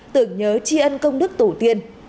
tưởng nhớ chi ân công đức tổ tiên